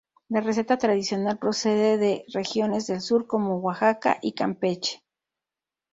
La receta tradicional procede de regiones del sur como Oaxaca y Campeche.